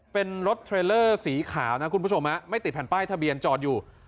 เป็นรถเทรลเลอร์สีขาวนะคุณผู้ชมไม่ติดแผ่นป้ายทะเบียนจอดอยู่